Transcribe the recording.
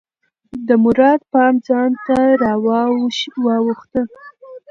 د مراد پام ځان ته راواووخته.